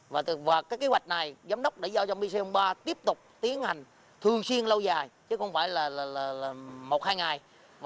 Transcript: và cái kế hoạch này giám đốc đã giao cho miceo ba tiếp tục tiến hành thường xuyên lâu dài chứ không phải là một hai ngày